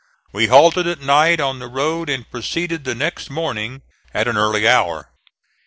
We halted at night on the road and proceeded the next morning at an early hour.